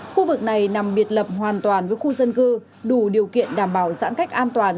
khu vực này nằm biệt lập hoàn toàn với khu dân cư đủ điều kiện đảm bảo giãn cách an toàn